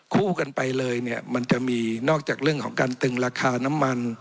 คู่กันไปเลยเนี่ยมันจะมีนอกจากเรื่องของการตึงราคาน้ำมัน